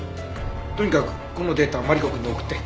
とにかくこのデータマリコくんに送って。